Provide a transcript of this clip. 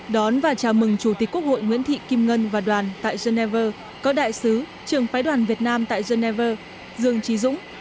đón và chào mừng chủ tịch quốc hội nguyễn thị kim ngân và đoàn tại geneva có đại sứ trường phái đoàn việt nam tại geneva dương trí dũng